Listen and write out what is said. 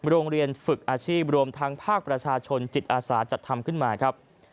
โรงเรียนฝึกอาชีพรวมทั้งภาคประชาชนจิตอาสาจัดทำขึ้นมาครับ